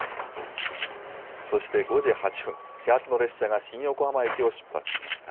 そして５時８分、始発の列車が新横浜駅を出発しました。